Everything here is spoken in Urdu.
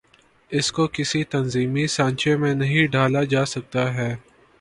اس کو کسی تنظیمی سانچے میں نہیں ڈھا لا جا سکتا ہے۔